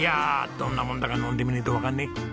どんなもんだか飲んでみねえとわかんねえ！